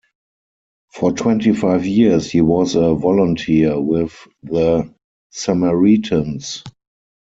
For twenty-five years he was a volunteer with "The Samaritans".